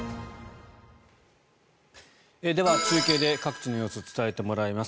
では、中継で各地の様子を伝えてもらいます。